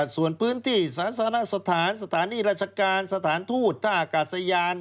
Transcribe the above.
ส่วนพื้นที่สาธารณสถานสถานีราชการสถานทูตท่าอากาศยาน